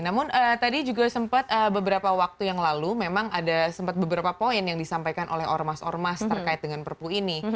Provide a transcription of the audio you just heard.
namun tadi juga sempat beberapa waktu yang lalu memang ada sempat beberapa poin yang disampaikan oleh ormas ormas terkait dengan perpu ini